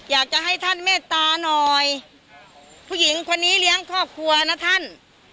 อยากจะให้ท่านเมตตาหน่อยผู้หญิงคนนี้เลี้ยงครอบครัวนะท่าน